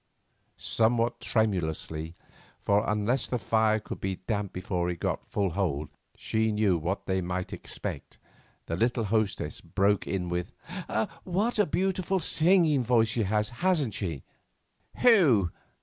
Somewhat tremulously, for unless the fire could be damped before it got full hold, she knew what they might expect, the little hostess broke in with— "What a beautiful singing voice she has, hasn't she?" "Who?"